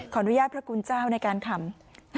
อนุญาตพระคุณเจ้าในการคำ